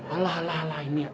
alah alah ini